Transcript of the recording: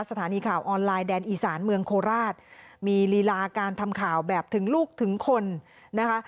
สถานีข่าวออนไลน์แดนอีสานเมืองโคราชมีลีลาการทำข่าวแบบถึงลูกถึงคนนะคะ